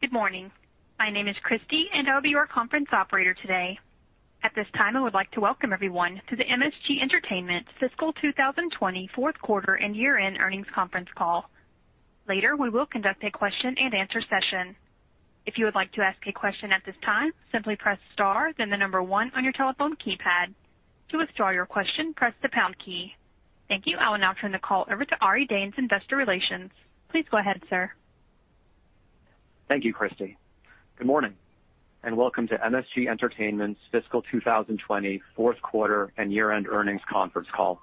Good morning. My name is Christie, an I'll be your conference operator today. At this time, I would like to welcome everyone to the MSG Entertainment Fiscal 2020 Fourth Quarter and Year-End Earnings Conference Call. Later, we will conduct a question-and-answer session. If you would like to ask a question at this time, simply press star, then the number one on your telephone keypad. To withdraw your question, press the pound key. Thank you. I will now turn the call over to Ari Danes, Investor Relations. Please go ahead, sir. Thank you, Christie. Good morning, and welcome to MSG Entertainment's Fiscal 2020 Fourth Quarter and Year-End Earnings Conference Call.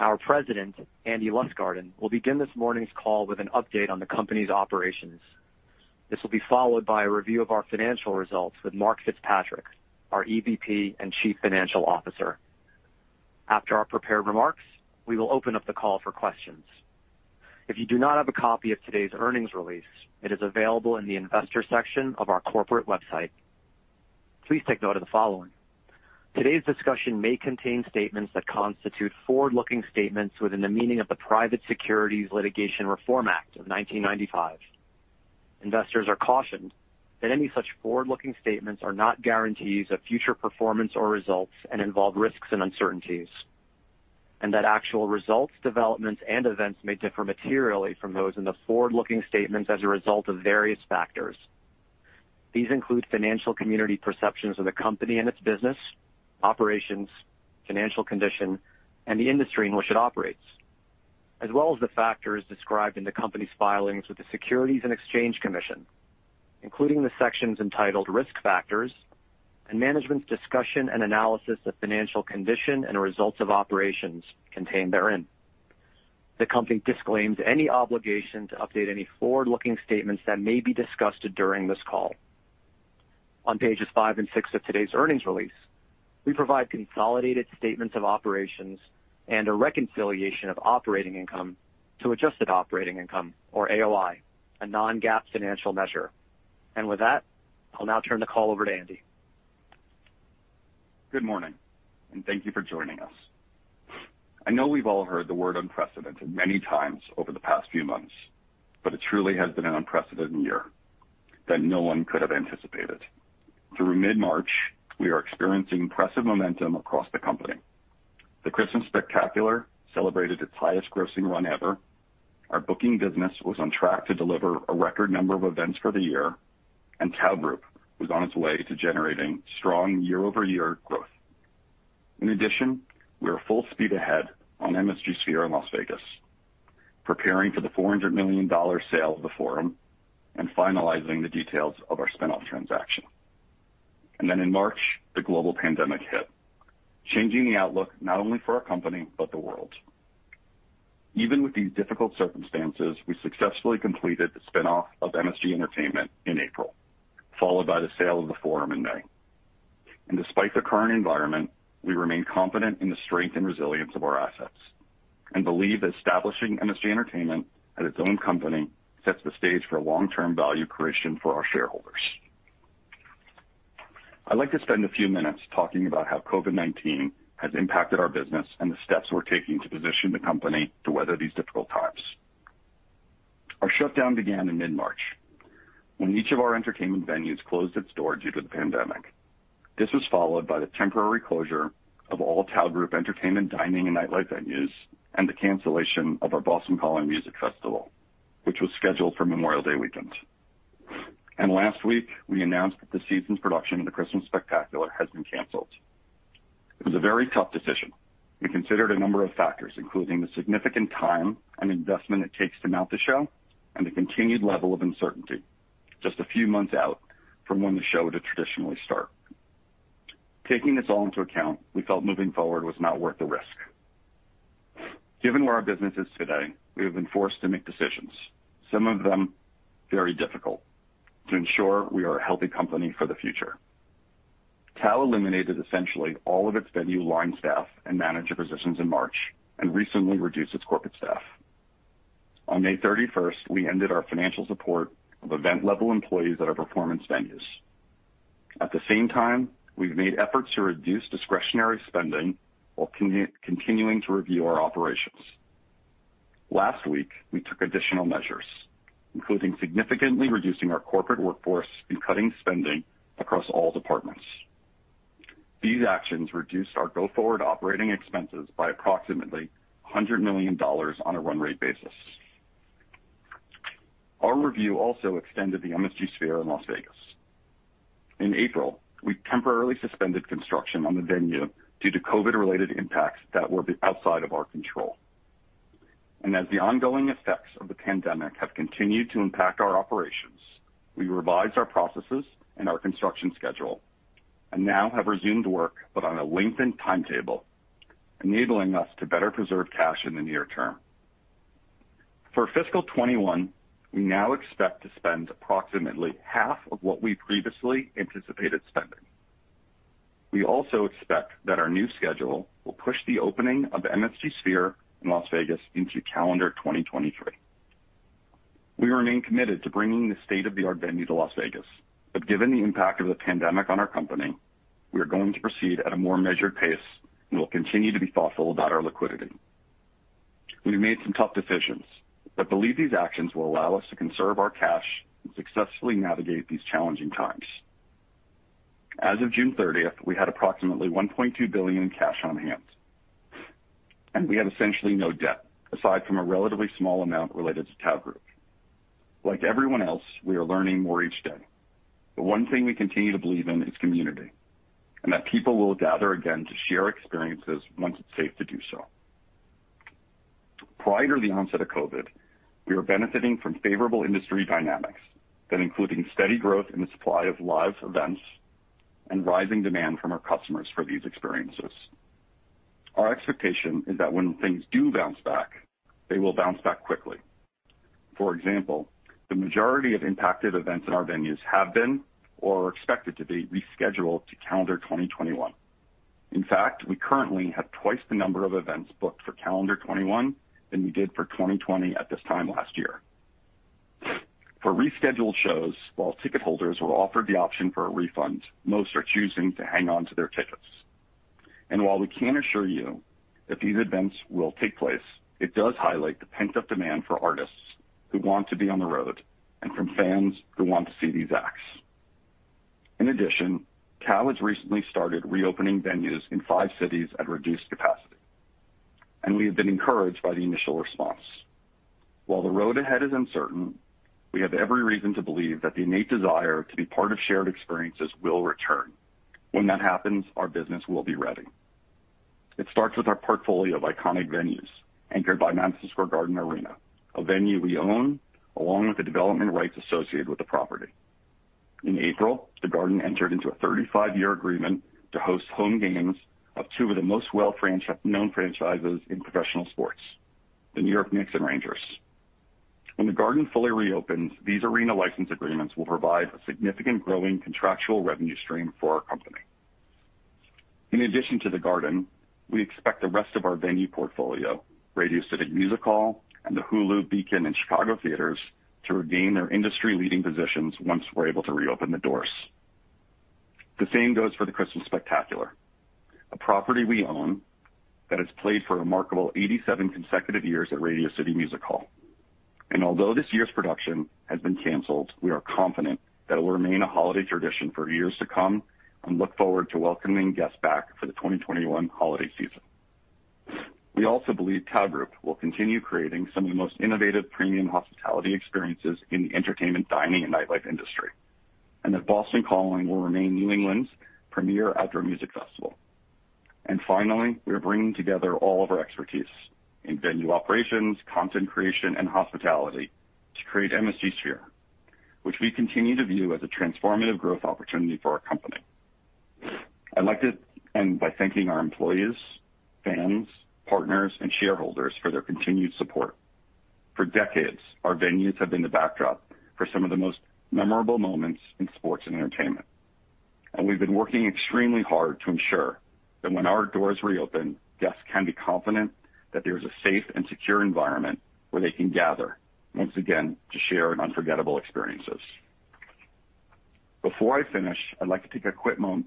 Our President, Andy Lustgarten, will begin this morning's call with an update on the company's operations. This will be followed by a review of our financial results with Mark Fitzpatrick, our EVP and Chief Financial Officer. After our prepared remarks, we will open up the call for questions. If you do not have a copy of today's earnings release, it is available in the investor section of our corporate website. Please take note of the following: Today's discussion may contain statements that constitute forward-looking statements within the meaning of the Private Securities Litigation Reform Act of 1995. Investors are cautioned that any such forward-looking statements are not guarantees of future performance or results and involve risks and uncertainties, and that actual results, developments, and events may differ materially from those in the forward-looking statements as a result of various factors. These include financial community perceptions of the company and its business, operations, financial condition, and the industry in which it operates, as well as the factors described in the company's filings with the Securities and Exchange Commission, including the sections entitled Risk Factors and Management's Discussion and Analysis of Financial Condition and Results of Operations contained therein. The company disclaims any obligation to update any forward-looking statements that may be discussed during this call. On pages five and six of today's earnings release, we provide consolidated statements of operations and a reconciliation of operating income to adjusted operating income, or AOI, a non-GAAP financial measure. With that, I'll now turn the call over to Andy. Good morning, and thank you for joining us. I know we've all heard the word unprecedented many times over the past few months, but it truly has been an unprecedented year that no one could have anticipated. Through mid-March, we are experiencing impressive momentum across the company. The Christmas Spectacular celebrated its highest grossing run ever. Our booking business was on track to deliver a record number of events for the year, and Tao Group was on its way to generating strong year-over-year growth. In addition, we are full speed ahead on MSG Sphere in Las Vegas, preparing for the $400 million sale of The Forum and finalizing the details of our spinoff transaction, and then in March, the global pandemic hit, changing the outlook not only for our company but the world. Even with these difficult circumstances, we successfully completed the spinoff of MSG Entertainment in April, followed by the sale of The Forum in May, and despite the current environment, we remain confident in the strength and resilience of our assets and believe that establishing MSG Entertainment as its own company sets the stage for long-term value creation for our shareholders. I'd like to spend a few minutes talking about how COVID-19 has impacted our business and the steps we're taking to position the company to weather these difficult times. Our shutdown began in mid-March when each of our entertainment venues closed its doors due to the pandemic. This was followed by the temporary closure of all Tao Group entertainment, dining, and nightlife venues and the cancellation of our Boston Calling Music Festival, which was scheduled for Memorial Day weekend. And last week, we announced that the season's production of the Christmas Spectacular has been canceled. It was a very tough decision. We considered a number of factors, including the significant time and investment it takes to mount the show and the continued level of uncertainty just a few months out from when the show would traditionally start. Taking this all into account, we felt moving forward was not worth the risk. Given where our business is today, we have been forced to make decisions, some of them very difficult, to ensure we are a healthy company for the future. Tao eliminated essentially all of its venue line staff and manager positions in March and recently reduced its corporate staff. On May 31st, we ended our financial support of event-level employees at our performance venues. At the same time, we've made efforts to reduce discretionary spending while continuing to review our operations. Last week, we took additional measures, including significantly reducing our corporate workforce and cutting spending across all departments. These actions reduced our go-forward operating expenses by approximately $100 million on a run-rate basis. Our review also extended to the MSG Sphere in Las Vegas. In April, we temporarily suspended construction on the venue due to COVID-related impacts that were outside of our control. And as the ongoing effects of the pandemic have continued to impact our operations, we revised our processes and our construction schedule and now have resumed work but on a lengthened timetable, enabling us to better preserve cash in the near term. For Fiscal 2021, we now expect to spend approximately half of what we previously anticipated spending. We also expect that our new schedule will push the opening of the MSG Sphere in Las Vegas into calendar 2023. We remain committed to bringing the state-of-the-art venue to Las Vegas, but given the impact of the pandemic on our company, we are going to proceed at a more measured pace and will continue to be thoughtful about our liquidity. We've made some tough decisions, but believe these actions will allow us to conserve our cash and successfully navigate these challenging times. As of June 30th, we had approximately $1.2 billion in cash on hand, and we had essentially no debt aside from a relatively small amount related to Tao Group. Like everyone else, we are learning more each day. The one thing we continue to believe in is community and that people will gather again to share experiences once it's safe to do so. Prior to the onset of COVID, we were benefiting from favorable industry dynamics that included steady growth in the supply of live events and rising demand from our customers for these experiences. Our expectation is that when things do bounce back, they will bounce back quickly. For example, the majority of impacted events in our venues have been or are expected to be rescheduled to calendar 2021. In fact, we currently have twice the number of events booked for calendar 2021 than we did for 2020 at this time last year. For rescheduled shows, while ticket holders were offered the option for a refund, most are choosing to hang on to their tickets, and while we can assure you that these events will take place, it does highlight the pent-up demand for artists who want to be on the road and from fans who want to see these acts. In addition, Tao Group has recently started reopening venues in five cities at reduced capacity, and we have been encouraged by the initial response. While the road ahead is uncertain, we have every reason to believe that the innate desire to be part of shared experiences will return. When that happens, our business will be ready. It starts with our portfolio of iconic venues anchored by Madison Square Garden, a venue we own along with the development rights associated with the property. In April, the Garden entered into a 35-year agreement to host home games of two of the most well-known franchises in professional sports, the New York Knicks and New York Rangers. When the Garden fully reopens, these arena license agreements will provide a significant growing contractual revenue stream for our company. In addition to the Garden, we expect the rest of our venue portfolio, Radio City Music Hall and the Hulu, Beacon, and Chicago Theatre, to regain their industry-leading positions once we're able to reopen the doors. The same goes for the Christmas Spectacular, a property we own that has played for a remarkable 87 consecutive years at Radio City Music Hall. And although this year's production has been canceled, we are confident that it will remain a holiday tradition for years to come and look forward to welcoming guests back for the 2021 holiday season. We also believe Tao Group will continue creating some of the most innovative premium hospitality experiences in the entertainment, dining, and nightlife industry and that Boston Calling will remain New England's premier outdoor music festival. And finally, we are bringing together all of our expertise in venue operations, content creation, and hospitality to create MSG Sphere, which we continue to view as a transformative growth opportunity for our company. I'd like to end by thanking our employees, fans, partners, and shareholders for their continued support. For decades, our venues have been the backdrop for some of the most memorable moments in sports and entertainment, and we've been working extremely hard to ensure that when our doors reopen, guests can be confident that there is a safe and secure environment where they can gather once again to share unforgettable experiences. Before I finish, I'd like to take a quick moment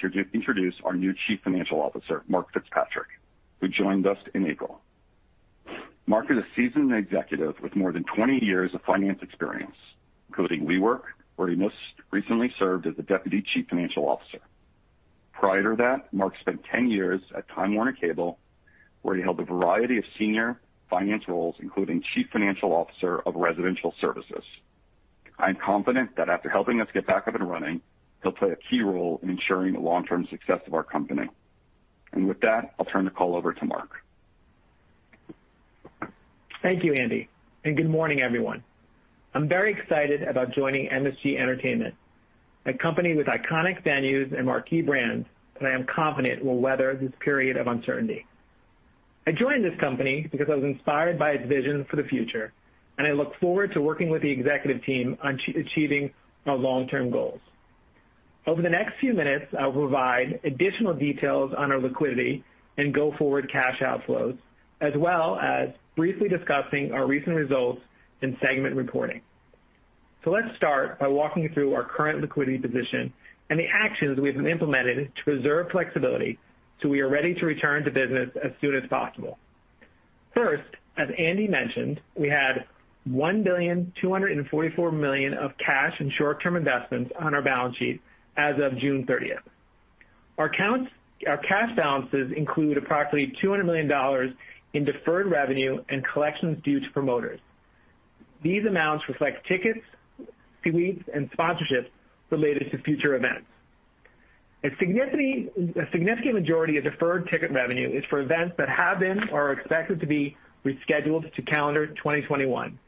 to introduce our new Chief Financial Officer, Mark Fitzpatrick, who joined us in April. Mark is a seasoned executive with more than 20 years of finance experience, including WeWork, where he most recently served as the Deputy Chief Financial Officer. Prior to that, Mark spent 10 years at Time Warner Cable, where he held a variety of senior finance roles, including Chief Financial Officer of Residential Services. I'm confident that after helping us get back up and running, he'll play a key role in ensuring the long-term success of our company. And with that, I'll turn the call over to Mark. Thank you, Andy, and good morning, everyone. I'm very excited about joining MSG Entertainment, a company with iconic venues and marquee brands that I am confident will weather this period of uncertainty. I joined this company because I was inspired by its vision for the future, and I look forward to working with the executive team on achieving our long-term goals. Over the next few minutes, I will provide additional details on our liquidity and go-forward cash outflows, as well as briefly discussing our recent results in segment reporting, so let's start by walking through our current liquidity position and the actions we have implemented to preserve flexibility so we are ready to return to business as soon as possible. First, as Andy mentioned, we had $1,244 million of cash and short-term investments on our balance sheet as of June 30th. Our cash balances include approximately $200 million in deferred revenue and collections due to promoters. These amounts reflect tickets, suites, and sponsorships related to future events. A significant majority of deferred ticket revenue is for events that have been or are expected to be rescheduled to calendar 2021.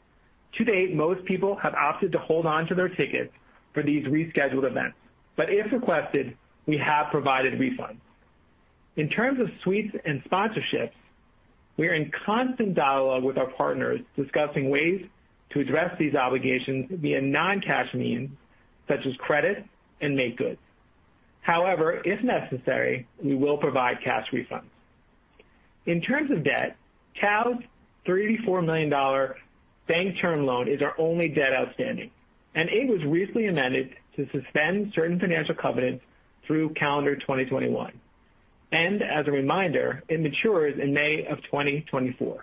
To date, most people have opted to hold on to their tickets for these rescheduled events, but if requested, we have provided refunds. In terms of suites and sponsorships, we are in constant dialogue with our partners discussing ways to address these obligations via non-cash means such as credit and make goods. However, if necessary, we will provide cash refunds. In terms of debt, Tao's $34 million bank term loan is our only debt outstanding, and it was recently amended to suspend certain financial covenants through calendar 2021, and as a reminder, it matures in May of 2024.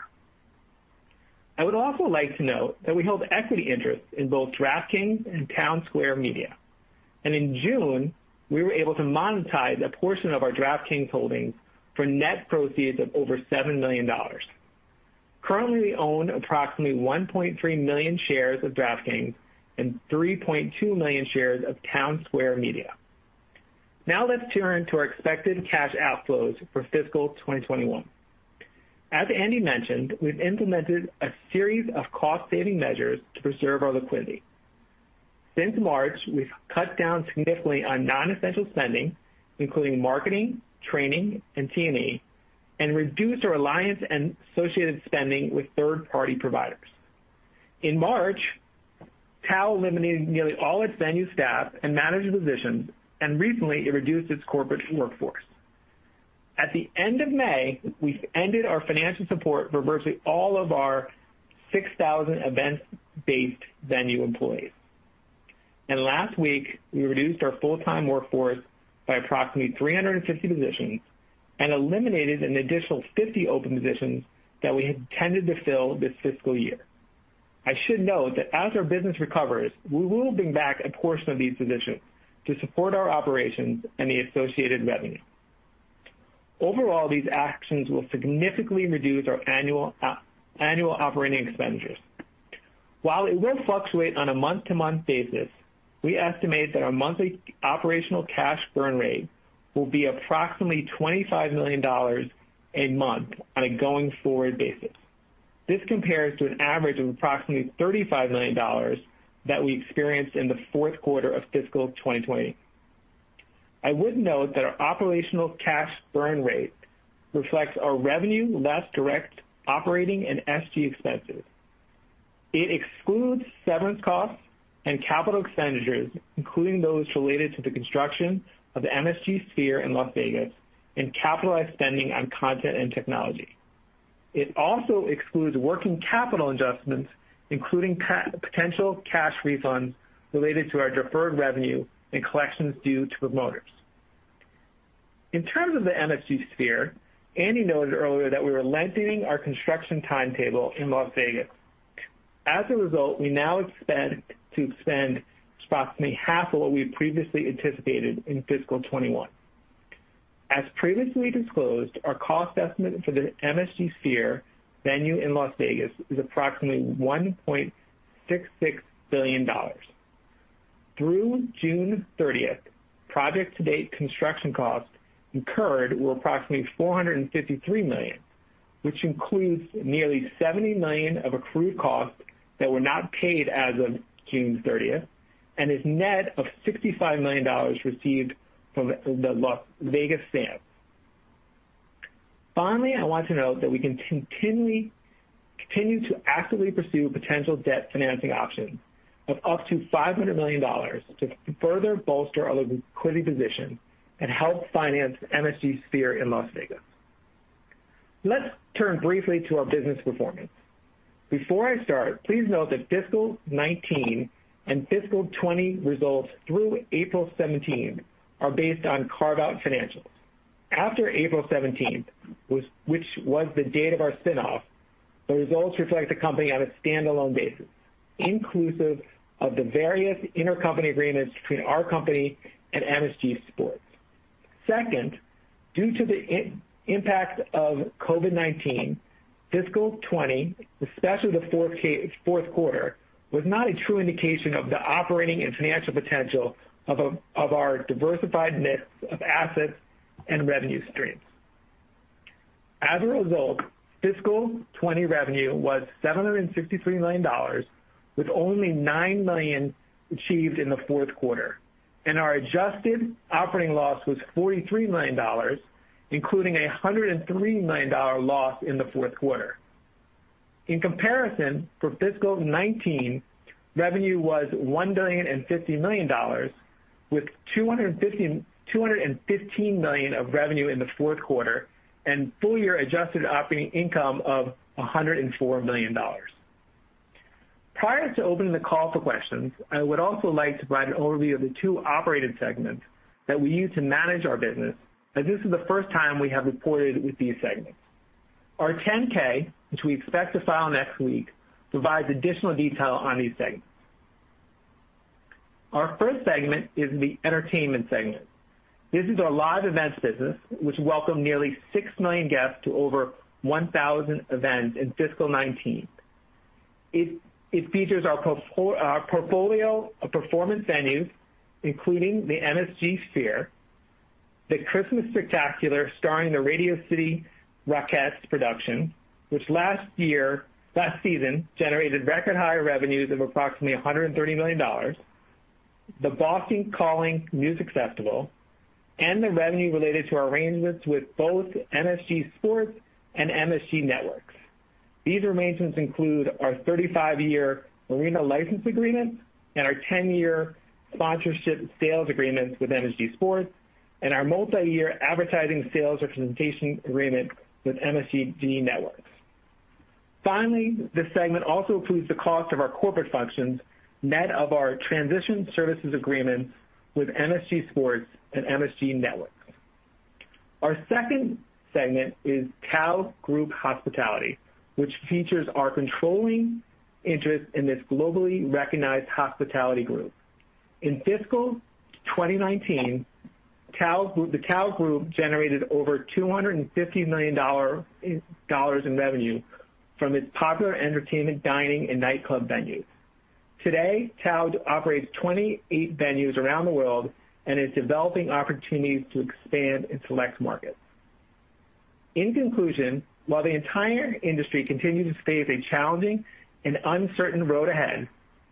I would also like to note that we held equity interests in both DraftKings and Townsquare Media. And in June, we were able to monetize a portion of our DraftKings holdings for net proceeds of over $7 million. Currently, we own approximately 1.3 million shares of DraftKings and 3.2 million shares of Townsquare Media. Now let's turn to our expected cash outflows for Fiscal 2021. As Andy mentioned, we've implemented a series of cost-saving measures to preserve our liquidity. Since March, we've cut down significantly on non-essential spending, including marketing, training, and T&E, and reduced our alliance and associated spending with third-party providers. In March, Tao eliminated nearly all its venue staff and manager positions, and recently, it reduced its corporate workforce. At the end of May, we've ended our financial support for virtually all of our 6,000 event-based venue employees. Last week, we reduced our full-time workforce by approximately 350 positions and eliminated an additional 50 open positions that we had intended to fill this fiscal year. I should note that as our business recovers, we will bring back a portion of these positions to support our operations and the associated revenue. Overall, these actions will significantly reduce our annual operating expenditures. While it will fluctuate on a month-to-month basis, we estimate that our monthly operational cash burn rate will be approximately $25 million a month on a going-forward basis. This compares to an average of approximately $35 million that we experienced in the fourth quarter of Fiscal 2020. I would note that our operational cash burn rate reflects our revenue less direct operating and SG expenses. It excludes severance costs and capital expenditures, including those related to the construction of the MSG Sphere in Las Vegas and capitalized spending on content and technology. It also excludes working capital adjustments, including potential cash refunds related to our deferred revenue and collections due to promoters. In terms of the MSG Sphere, Andy noted earlier that we were lengthening our construction timetable in Las Vegas. As a result, we now expect to expend approximately half of what we previously anticipated in Fiscal 21. As previously disclosed, our cost estimate for the MSG Sphere venue in Las Vegas is approximately $1.66 billion. Through June 30th, project-to-date construction costs incurred were approximately $453 million, which includes nearly $70 million of accrued costs that were not paid as of June 30th and is net of $65 million received from the Las Vegas Sands. Finally, I want to note that we continue to actively pursue potential debt financing options of up to $500 million to further bolster our liquidity position and help finance MSG Sphere in Las Vegas. Let's turn briefly to our business performance. Before I start, please note that Fiscal 2019 and Fiscal 2020 results through April 17th are based on carve-out financials. After April 17th, which was the date of our spinoff, the results reflect the company on a standalone basis, inclusive of the various intercompany agreements between our company and MSG Sports. Second, due to the impact of COVID-19, Fiscal 2020, especially the fourth quarter, was not a true indication of the operating and financial potential of our diversified mix of assets and revenue streams. As a result, Fiscal 2020 revenue was $763 million, with only $9 million achieved in the fourth quarter, and our adjusted operating loss was $43 million, including a $103 million loss in the fourth quarter. In comparison, for Fiscal 2019, revenue was $1,050 million, with $215 million of revenue in the fourth quarter and full-year adjusted operating income of $104 million. Prior to opening the call for questions, I would also like to provide an overview of the two operating segments that we use to manage our business, as this is the first time we have reported with these segments. Our 10-K, which we expect to file next week, provides additional detail on these segments. Our first segment is the entertainment segment. This is our live events business, which welcomed nearly 6 million guests to over 1,000 events in Fiscal 2019. It features our portfolio of performance venues, including the MSG Sphere, the Christmas Spectacular starring the Radio City Rockettes production, which last season generated record-high revenues of approximately $130 million, the Boston Calling Music Festival, and the revenue related to our arrangements with both MSG Sports and MSG Networks. These arrangements include our 35-year arena license agreements and our 10-year sponsorship sales agreements with MSG Sports, and our multi-year advertising sales representation agreement with MSG Networks. Finally, this segment also includes the cost of our corporate functions net of our transition services agreements with MSG Sports and MSG Networks. Our second segment is Tao Group Hospitality, which features our controlling interest in this globally recognized hospitality group. In Fiscal 2019, the Tao Group generated over $250 million in revenue from its popular entertainment, dining, and nightclub venues. Today, Tao operates 28 venues around the world and is developing opportunities to expand its select markets. In conclusion, while the entire industry continues to face a challenging and uncertain road ahead,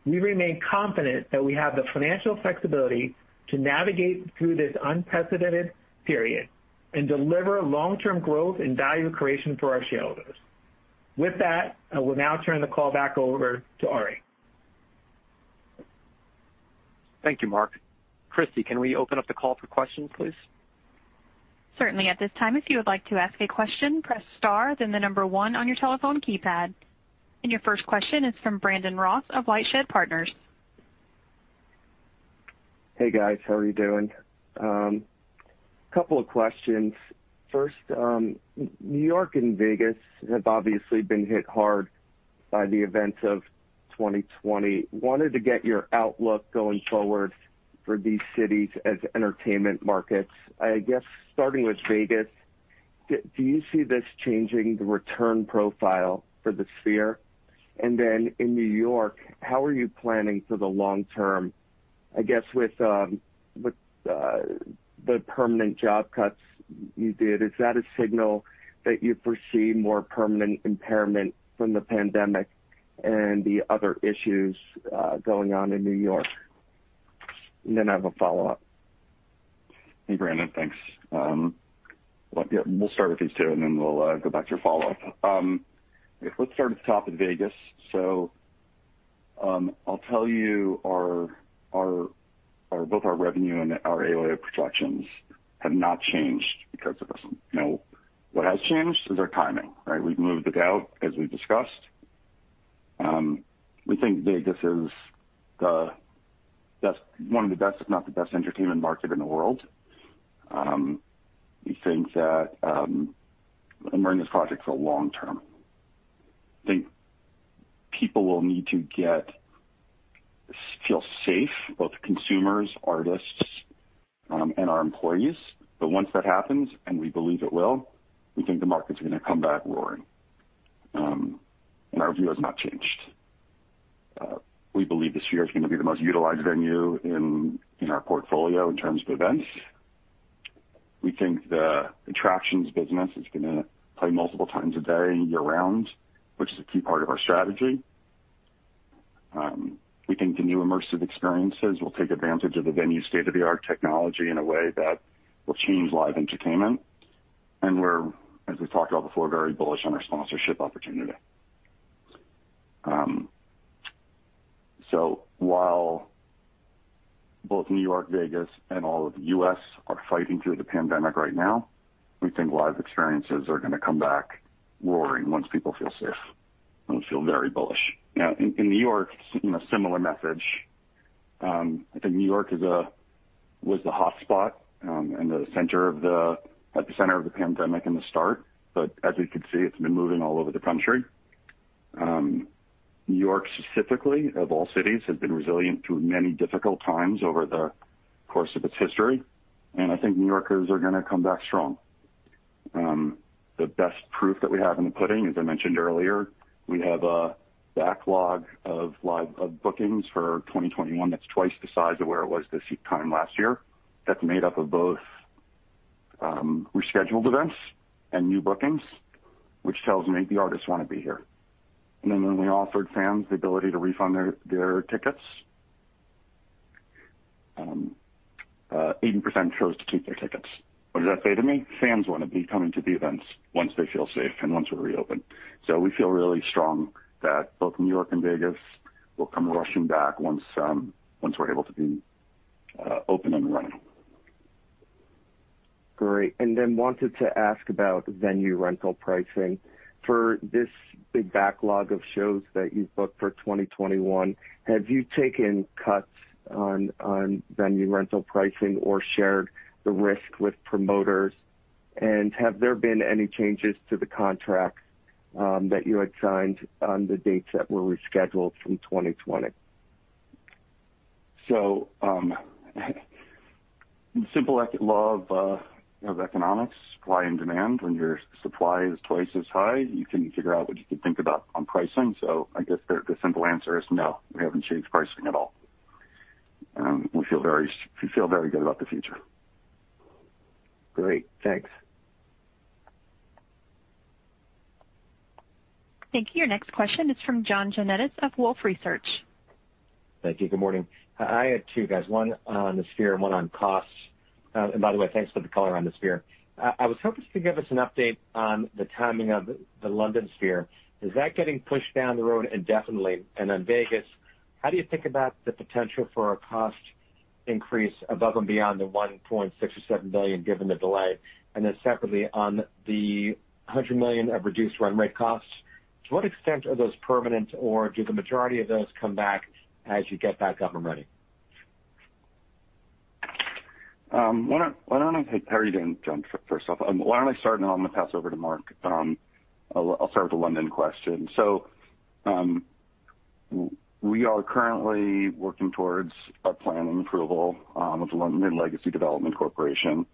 we remain confident that we have the financial flexibility to navigate through this unprecedented period and deliver long-term growth and value creation for our shareholders. With that, I will now turn the call back over to Ari. Thank you, Mark. Christie, can we open up the call for questions, please? Certainly. At this time, if you would like to ask a question, press star, then the number one on your telephone keypad. And your first question is from Brandon Ross of LightShed Partners. Hey, guys. How are you doing? A couple of questions. First, New York and Vegas have obviously been hit hard by the events of 2020. Wanted to get your outlook going forward for these cities as entertainment markets. I guess starting with Vegas, do you see this changing the return profile for the Sphere? And then in New York, how are you planning for the long term? I guess with the permanent job cuts you did, is that a signal that you foresee more permanent impairment from the pandemic and the other issues going on in New York? And then I have a follow-up. Hey, Brandon. Thanks. We'll start with these two, and then we'll go back to your follow-up. Let's start at the top of Vegas. So I'll tell you both our revenue and our AOI projections have not changed because of this. What has changed is our timing, right? We've moved it out, as we've discussed. We think Vegas is one of the best, if not the best, entertainment market in the world. We think that and we're in this project for the long term. I think people will need to feel safe, both consumers, artists, and our employees. But once that happens, and we believe it will, we think the market's going to come back roaring. And our view has not changed. We believe the Sphere is going to be the most utilized venue in our portfolio in terms of events. We think the attractions business is going to play multiple times a day year-round, which is a key part of our strategy. We think the new immersive experiences will take advantage of the venue's state-of-the-art technology in a way that will change live entertainment. And we're, as we've talked about before, very bullish on our sponsorship opportunity. So while both New York, Vegas, and all of the U.S. are fighting through the pandemic right now, we think live experiences are going to come back roaring once people feel safe. And we feel very bullish. Now, in New York, similar message. I think New York was the hotspot and the center of the pandemic in the start, but as we could see, it's been moving all over the country. New York, specifically, of all cities, has been resilient through many difficult times over the course of its history. I think New Yorkers are going to come back strong. The best proof that we have in the pudding, as I mentioned earlier, we have a backlog of bookings for 2021 that's twice the size of where it was this time last year. That's made up of both rescheduled events and new bookings, which tells me the artists want to be here. Then when we offered fans the ability to refund their tickets, 80% chose to keep their tickets. What does that say to me? Fans want to be coming to the events once they feel safe and once we reopen. We feel really strong that both New York and Vegas will come rushing back once we're able to be open and running. Great. And then wanted to ask about venue rental pricing. For this big backlog of shows that you've booked for 2021, have you taken cuts on venue rental pricing or shared the risk with promoters? And have there been any changes to the contracts that you had signed on the dates that were rescheduled from 2020? So simple law of economics, supply and demand. When your supply is twice as high, you can figure out what you can think about on pricing. So I guess the simple answer is no. We haven't changed pricing at all. We feel very good about the future. Great. Thanks. Thank you. Your next question is from John Janedis of Wolfe Research. Thank you. Good morning. I had two guys: one on the Sphere and one on costs. And by the way, thanks for the color on the Sphere. I was hoping to give us an update on the timing of the London Sphere. Is that getting pushed down the road indefinitely? And then Vegas, how do you think about the potential for a cost increase above and beyond the $1.67 billion given the delay? And then separately, on the $100 million of reduced run rate costs, to what extent are those permanent, or do the majority of those come back as you get back up and running? How are you doing, John? First off, why don't I start, and I'm going to pass over to Mark. I'll start with the London question. So we are currently working towards a planning approval with the London Legacy Development Corporation.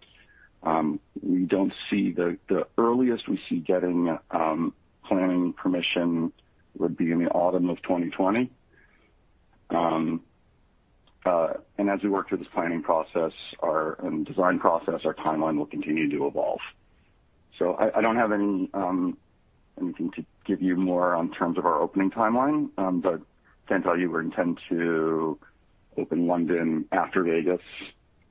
We don't see the earliest we see getting planning permission would be in the autumn of 2020, and as we work through this planning process and design process, our timeline will continue to evolve, so I don't have anything to give you more in terms of our opening timeline, but I can tell you we intend to open London after Vegas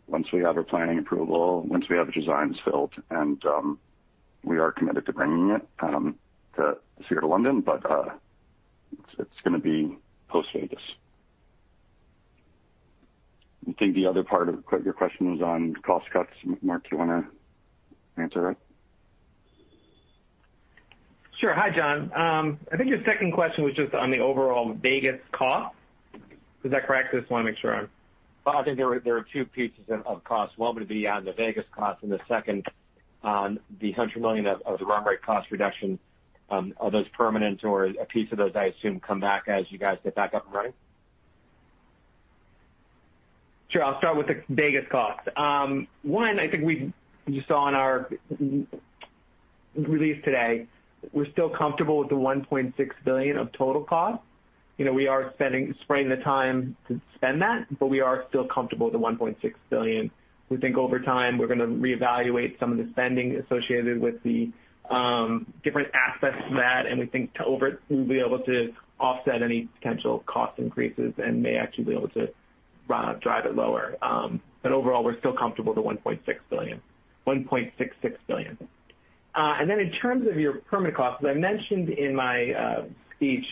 once we have a planning approval, once we have designs finalized, and we are committed to bringing the Sphere to London, but it's going to be post-Vegas. I think the other part of your question was on cost cuts. Mark, do you want to answer that? Sure. Hi, John. I think your second question was just on the overall Vegas cost. Is that correct? I just want to make sure I'm... I think there are two pieces of cost. One would be on the Vegas cost, and the second on the $100 million of the run rate cost reduction. Are those permanent, or a piece of those I assume come back as you guys get back up and running? Sure. I'll start with the Vegas costs. One, I think we just saw in our release today, we're still comfortable with the $1.6 billion of total cost. We are spending, spreading the time to spend that, but we are still comfortable with the $1.6 billion. We think over time we're going to reevaluate some of the spending associated with the different aspects of that, and we think we'll be able to offset any potential cost increases and may actually be able to drive it lower. But overall, we're still comfortable with the $1.66 billion. And then in terms of your permanent costs, as I mentioned in my speech,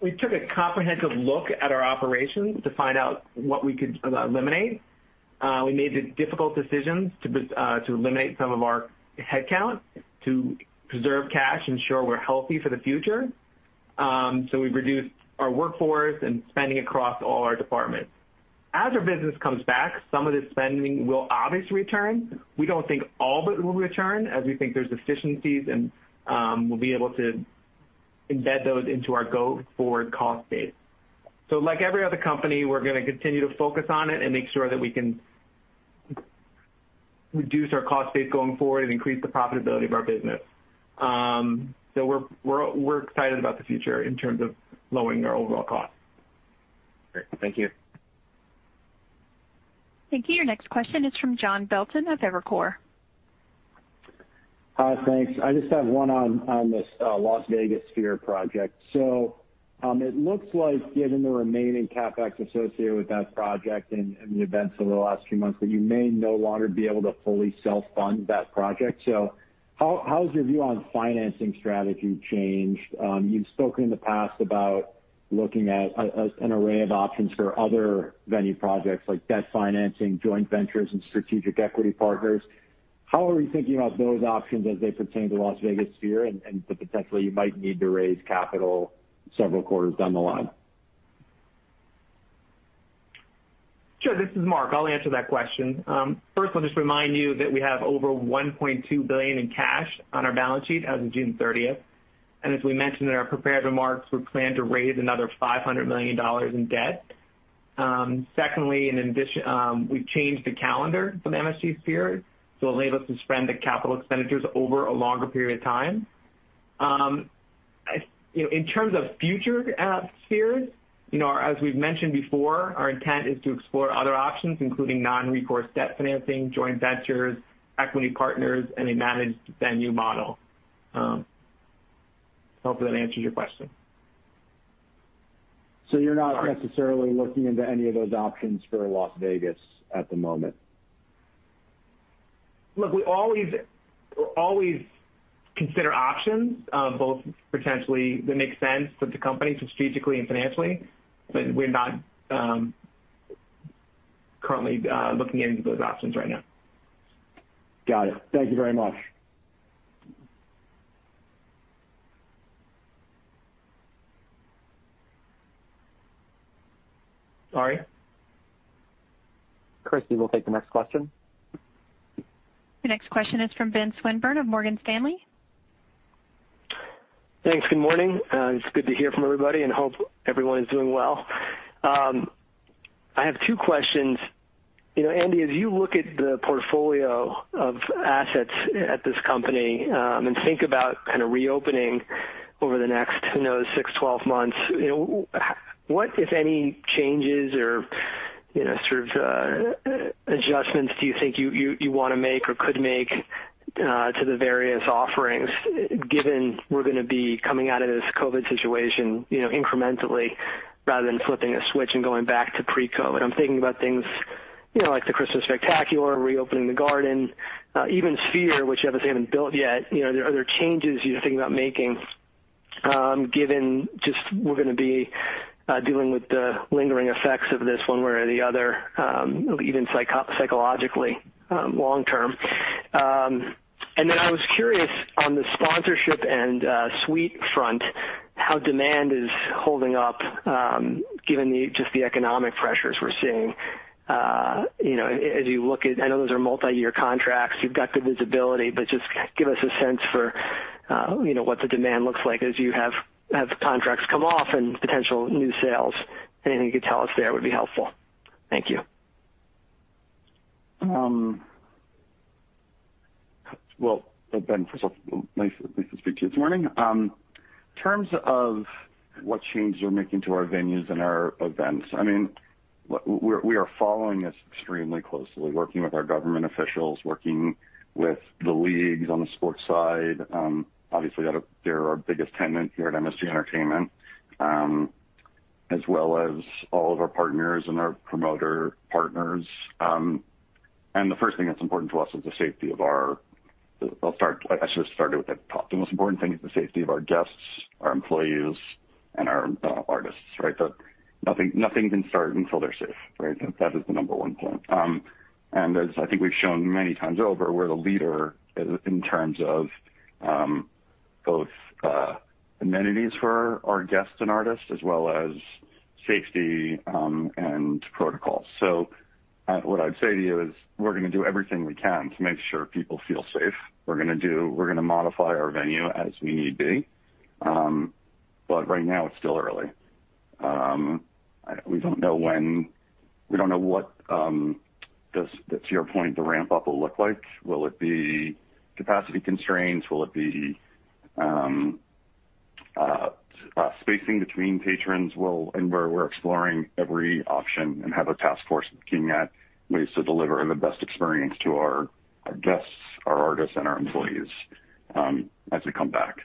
we took a comprehensive look at our operations to find out what we could eliminate. We made the difficult decisions to eliminate some of our headcount to preserve cash, ensure we're healthy for the future. So we've reduced our workforce and spending across all our departments. As our business comes back, some of this spending will obviously return. We don't think all of it will return, as we think there's efficiencies, and we'll be able to embed those into our go-forward cost base. So like every other company, we're going to continue to focus on it and make sure that we can reduce our cost base going forward and increase the profitability of our business. So we're excited about the future in terms of lowering our overall costs. Great. Thank you. Thank you. Your next question is from John Belton of Evercore. Thanks. I just have one on this Las Vegas Sphere project. So it looks like, given the remaining CapEx associated with that project and the events over the last few months, that you may no longer be able to fully self-fund that project. So how has your view on financing strategy changed? You've spoken in the past about looking at an array of options for other venue projects like debt financing, joint ventures, and strategic equity partners. How are you thinking about those options as they pertain to Las Vegas Sphere and the potential that you might need to raise capital several quarters down the line? Sure. This is Mark. I'll answer that question. First, I'll just remind you that we have over $1.2 billion in cash on our balance sheet as of June 30th. And as we mentioned in our prepared remarks, we plan to raise another $500 million in debt. Secondly, we've changed the calendar for the MSG Sphere, so it'll enable us to spend the capital expenditures over a longer period of time. In terms of future Spheres, as we've mentioned before, our intent is to explore other options, including non-recourse debt financing, joint ventures, equity partners, and a managed venue model. Hopefully, that answers your question. So you're not necessarily looking into any of those options for Las Vegas at the moment? Look, we always consider options, both potentially that make sense for the company strategically and financially, but we're not currently looking into those options right now. Got it. Thank you very much. Ari? Christie will take the next question. The next question is from Ben Swinburne of Morgan Stanley. Thanks. Good morning. It's good to hear from everybody and hope everyone is doing well. I have two questions. Andy, as you look at the portfolio of assets at this company and think about kind of reopening over the next, who knows, six, 12 months, what, if any, changes or sort of adjustments do you think you want to make or could make to the various offerings, given we're going to be coming out of this COVID situation incrementally rather than flipping a switch and going back to pre-COVID? I'm thinking about things like the Christmas Spectacular, reopening the garden, even Sphere, which you obviously haven't built yet. Are there changes you're thinking about making given just we're going to be dealing with the lingering effects of this one way or the other, even psychologically long term? And then I was curious on the sponsorship and suite front, how demand is holding up given just the economic pressures we're seeing as you look at, I know those are multi-year contracts. You've got the visibility, but just give us a sense for what the demand looks like as you have contracts come off and potential new sales. Anything you could tell us there would be helpful. Thank you. Ben, first off, nice to speak to you. Good morning. In terms of what changes we're making to our venues and our events, I mean, we are following this extremely closely, working with our government officials, working with the leagues on the sports side. Obviously, they're our biggest tenant here at MSG Entertainment, as well as all of our partners and our promoter partners. The first thing that's important to us is the safety of our. I'll start. I should have started with that. The most important thing is the safety of our guests, our employees, and our artists, right? But nothing can start until they're safe, right? That is the number one point. As I think we've shown many times over, we're the leader in terms of both amenities for our guests and artists, as well as safety and protocols. So what I'd say to you is we're going to do everything we can to make sure people feel safe. We're going to modify our venue as we need to. But right now, it's still early. We don't know when, we don't know what, to your point, the ramp-up will look like. Will it be capacity constraints? Will it be spacing between patrons? And we're exploring every option and have a task force looking at ways to deliver the best experience to our guests, our artists, and our employees as we come back.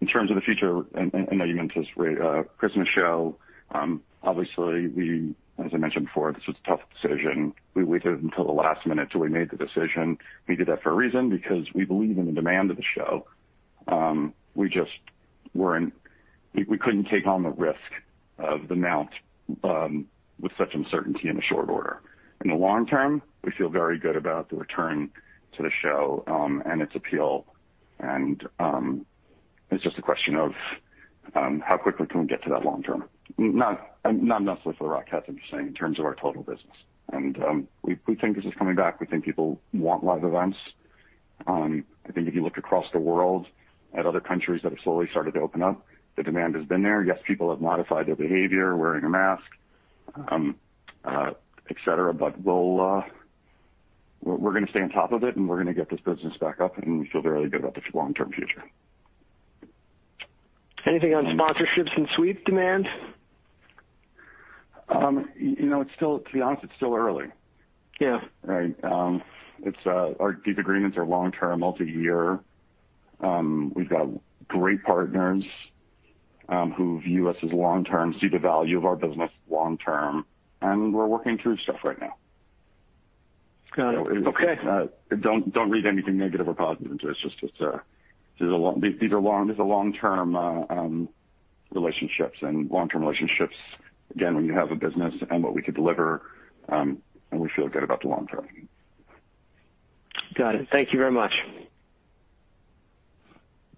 In terms of the future, I know you mentioned this Christmas show. Obviously, as I mentioned before, this was a tough decision. We waited until the last minute till we made the decision. We did that for a reason because we believe in the demand of the show. We couldn't take on the risk of mounting with such uncertainty in short order. In the long term, we feel very good about the return to the show and its appeal. And it's just a question of how quickly can we get to that long term? Not necessarily for the Rockettes, I'm just saying, in terms of our total business. And we think this is coming back. We think people want live events. I think if you look across the world at other countries that have slowly started to open up, the demand has been there. Yes, people have modified their behavior, wearing a mask, etc., but we're going to stay on top of it, and we're going to get this business back up, and we feel very good about the long-term future. Anything on sponsorships and suite demand? To be honest, it's still early. Yeah. Right? Our deal agreements are long-term, multi-year. We've got great partners who view us as long-term, see the value of our business long-term, and we're working through stuff right now. Got it. Okay. Don't read anything negative or positive into it. It's just these are long-term relationships, and long-term relationships, again, when you have a business and what we could deliver, and we feel good about the long term. Got it. Thank you very much.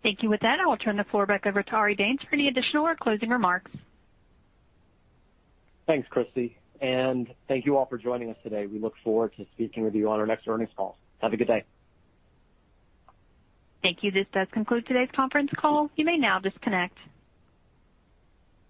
Thank you. With that, I'll turn the floor back over to Ari Danes for any additional or closing remarks. Thanks, Christie. And thank you all for joining us today. We look forward to speaking with you on our next earnings call. Have a good day. Thank you. This does conclude today's conference call. You may now disconnect.